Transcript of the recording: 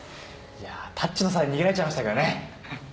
タッチの差で逃げられちゃいましたけどね。